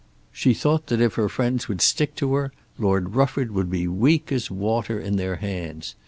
She thought that if her friends would stick to her, Lord Rufford would be weak as water in their hands.